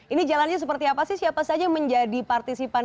ini jalannya seperti apa sih siapa saja yang menjadi partisipan